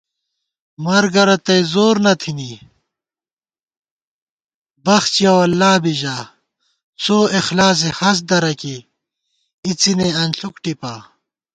مرگہ رتئ زور نہ تھنی، بخچِیَؤاللہ بی ژا * څواخلاصےہست درہ کېئی اِڅِنےانݪُک ٹِپا